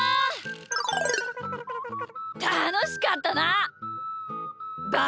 たのしかったな！